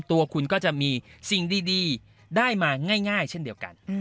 ตัวคุณก็จะมีสิ่งดีได้มาง่ายเช่นเดียวกัน